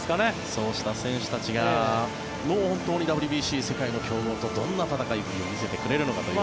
そうした選手たちがもう本当にＷＢＣ、世界の強豪とどんな戦いぶりを見せてくれるのかという。